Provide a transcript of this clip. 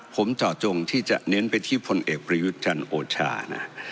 ผมต่อจงที่จะเน้นไปที่พลเอกประยุจชันนโอชานะ